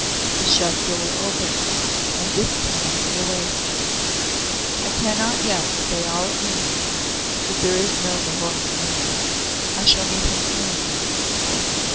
'The shut door opens, and this time he awaits.' I cannot yet say all it means, but there is no Lahore for me. I shall meet him soon."